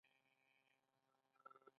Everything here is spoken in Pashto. علت یې د ولس په قومانده کې اربکي جنګیالي دي.